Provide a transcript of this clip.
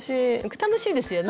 楽しいですよね。